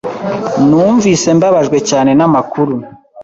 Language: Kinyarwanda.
Numvise mbabajwe cyane namakuru.